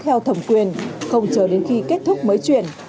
theo thẩm quyền không chờ đến khi kết thúc mới chuyển